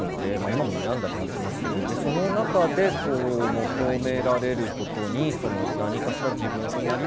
今も悩んだりはしますけどでその中でこう求められることに何かしら自分なりに答えていく。